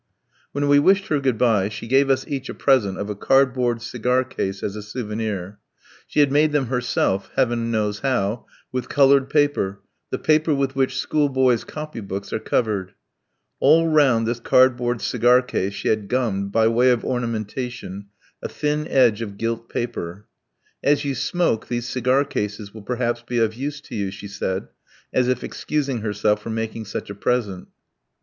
When we wished her "good bye," she gave us each a present of a cardboard cigar case as a souvenir. She had made them herself Heaven knows how with coloured paper, the paper with which school boys' copy books are covered. All round this cardboard cigar case she had gummed, by way of ornamentation, a thin edge of gilt paper. "As you smoke, these cigar cases will perhaps be of use to you," she said, as if excusing herself for making such a present.